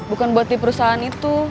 bukan buat di perusahaan itu